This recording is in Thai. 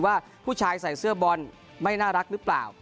ว่าผู้ชายใส่เสื้อบอลไม่น่ารักหรือเปล่า